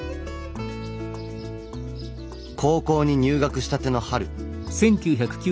高校に入学したての春。